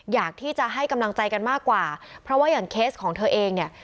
อยากที่จะให้กำลังใจกันมากกว่าเพราะว่าอย่างเคสของเธอเองเนี่ย